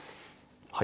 はい。